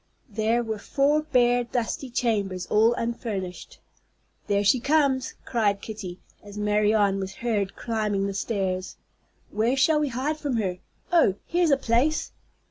There were four bare, dusty chambers, all unfurnished. "There she comes," cried Kitty, as Marianne was heard climbing the stairs. "Where shall we hide from her? Oh, here's a place!"